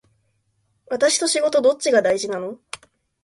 私と仕事どっちが大事なの